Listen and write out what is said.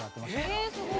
へえすごい。